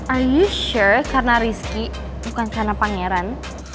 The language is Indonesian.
are you sure karena rizky bukan karena pangeran